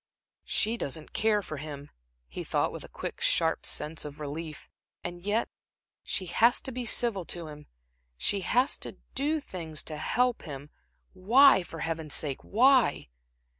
"She doesn't care for him," he thought, with a quick, sharp sense of relief. "And yet she has to be civil to him, she has to do things to help him. Why, for Heaven's sake, why?"